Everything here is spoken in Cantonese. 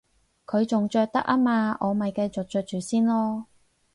佢仲着得吖嘛，我咪繼續着住先囉